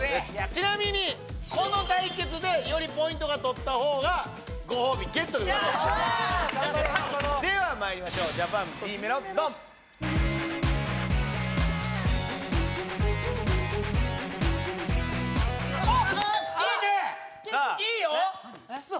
ちなみにこの対決でよりポイントを取ったほうがご褒美ゲットでございますではまいりましょういいねいいよ！